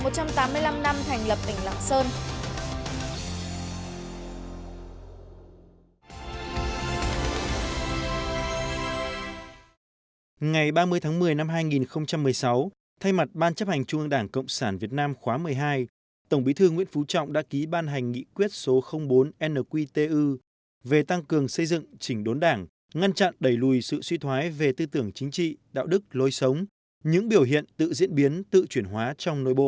một mươi tháng một mươi năm hai nghìn một mươi sáu thay mặt ban chấp hành trung ương đảng cộng sản việt nam khóa một mươi hai tổng bí thư nguyễn phú trọng đã ký ban hành nghị quyết số bốn nqtu về tăng cường xây dựng chỉnh đốn đảng ngăn chặn đẩy lùi sự suy thoái về tư tưởng chính trị đạo đức lối sống những biểu hiện tự diễn biến tự chuyển hóa trong nội bộ